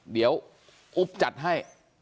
เดี๋ยวอุ๊บจัดให้